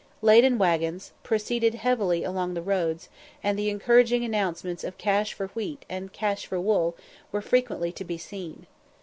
Laden waggons proceeded heavily along the roads, and the encouraging announcements of "Cash for wheat," and "Cash for wool," were frequently to be seen.